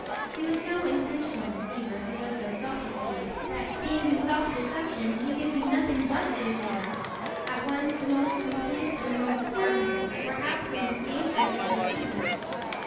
He was no intentional deceiver; he was so self deceived, that, being himself a deception, he could be nothing but a deceiver at once the most complete and the most pardonable, and perhaps the most dangerous of deceivers.